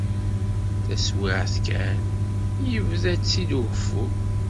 Taswiɛt kan yebda-tt-id ugeffur.